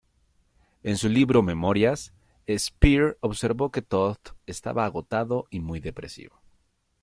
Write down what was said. En su libro "Memorias", Speer observó que Todt estaba agotado y muy depresivo.